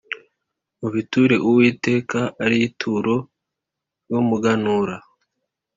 Mubiture Uwiteka ari ituro ry umuganura